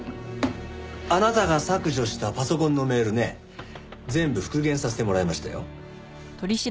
あなたが削除したパソコンのメールね全部復元させてもらいましたよ。